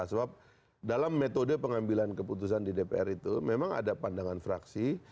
sebab dalam metode pengambilan keputusan di dpr itu memang ada pandangan fraksi